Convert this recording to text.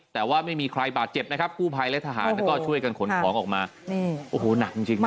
แต่ว่าไม่มีใครบาดเจ็บนะครับกู้ภัยและทหารก็ช่วยกันขนของออกมานี่โอ้โหหนักจริงมาก